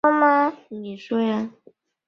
咖啡加上点心